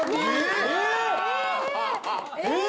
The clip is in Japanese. え！？